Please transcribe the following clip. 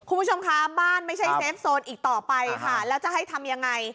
คุณผู้ชมคะบ้านไม่ใช่เซฟโซนอีกต่อไปค่ะแล้วจะให้ทำยังไง